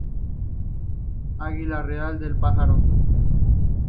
Águila real es el pájaro.